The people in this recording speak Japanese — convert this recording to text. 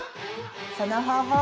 その方法